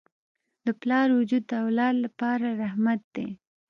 د پلار وجود د اولاد لپاره رحمت دی.